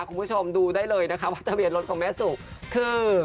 คุณผู้ชมดูได้เลยนะคะว่าทะเบียนรถของแม่สุคือ